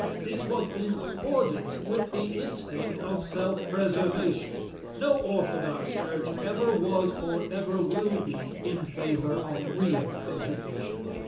This was in accordance with the instinct of self preservation. No orthodox church ever was, or ever will be in favor of real education.